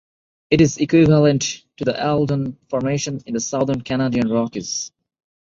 It is equivalent to the Eldon Formation in the southern Canadian Rockies.